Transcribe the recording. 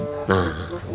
jadinya gitu kum